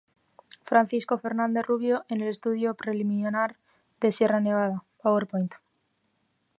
Francisco Fernández Rubio en el Estudio Preliminar de ""Sierra Nevada"", pp.